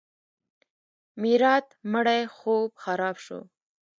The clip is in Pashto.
میرات مړی خوب خراب شو.